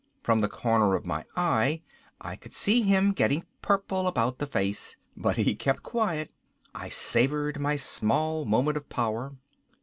From the corner of my eye I could see him getting purple about the face but he kept quiet. I savored my small moment of power.